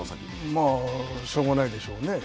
まあしょうがないでしょうね。